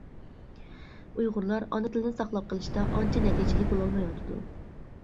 ئۇيغۇرلار ئانا تىلنى ساقلاپ قېلىشتا ئانچە نەتىجىلىك بولالمايۋاتىدۇ.